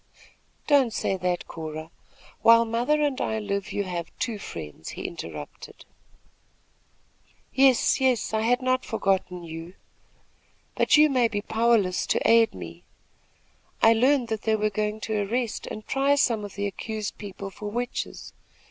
"Don't say that, Cora. While mother and I live, you have two friends," he interrupted. "Yes yes; I had not forgotten you; but you may be powerless to aid me. I learned that they were going to arrest and try some of the accused people for witches.